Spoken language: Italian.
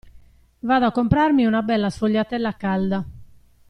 Vado a comprarmi una bella sfogliatella calda.